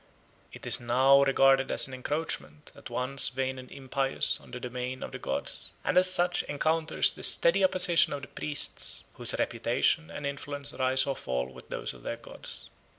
It is not regarded as an encroachment, at once vain and impious, on the domain of the gods, and as such encounters the steady opposition of the priests, whose reputation and influence rise or fall with those of their gods.